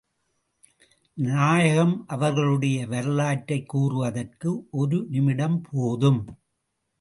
நாயகம் அவர்களுடைய வரலாற்றைக் கூறுவதற்கு ஒரு நிமிடம் போதும்.